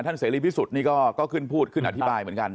เสรีพิสุทธิ์นี่ก็ขึ้นพูดขึ้นอธิบายเหมือนกัน